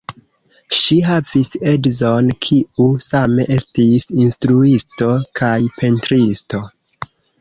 Ŝi havis edzon, kiu same estis instruisto kaj pentristo.